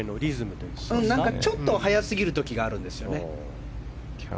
ちょっと速すぎる時があるんですよね。